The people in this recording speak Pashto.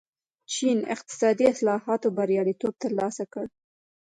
چین اقتصادي اصلاحاتو بریالیتوب ترلاسه کړ.